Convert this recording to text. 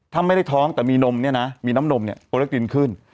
ถ้าไม่ได้ท้องแต่มีนมเนี่ยนะมีน้ำนมเนี่ยโปรเล็กตินขึ้น